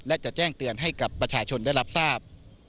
และจะแจ้งเตือนให้กับประชาชนได้รับทราบ